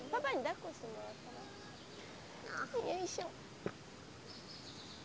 よいしょ。